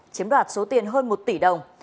chiếm đoạt số tiền hơn một tỷ đồng